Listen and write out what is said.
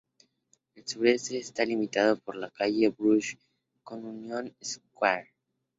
El sureste está limitado por la calle Bush con Union Square.